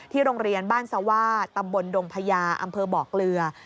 โรงเรียนบ้านสว่าตำบลดงพญาอำเภอบอกเกลือ